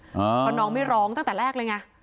เพราะน้องไม่ร้องตั้งแต่แรกเลยไง